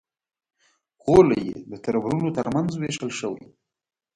غولی یې د تربرونو تر منځ وېشل شوی.